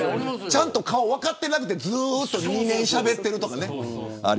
ちゃんと顔、分かってなくてずっと２年しゃべってるとかね。